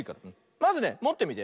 まずねもってみて。